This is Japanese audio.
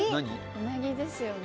うなぎですよね。